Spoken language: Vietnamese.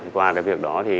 qua cái việc đó